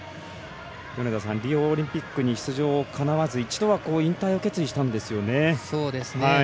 米田さん、リオオリンピックに出場かなわず一度は引退を決意したんですよね。